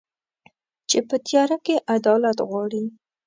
چي په تیاره کي عدالت غواړي